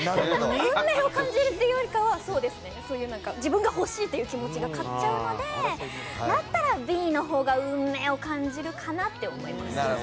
運命を感じるというよりかは自分が欲しいという気持ちが勝っちゃうのでだったらＢのほうが運命を感じるかなと思います。